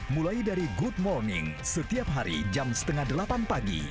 mulai dari good morning setiap hari jam setengah delapan pagi